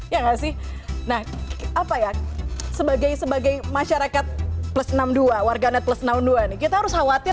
ya nggak sih nah apa ya sebagai sebagai masyarakat plus enam puluh dua warganet plus enam puluh dua nih kita harus khawatir